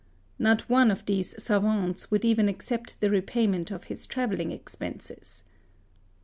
Not one of these savants would even accept the repayment of his travelling expenses.